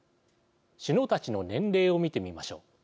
首脳たちの年齢を見てみましょう。